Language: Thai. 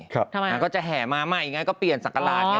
ทำไมก็จะแห่มาใหม่ไงก็เปลี่ยนศักราชไง